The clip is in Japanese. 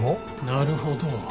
なるほど。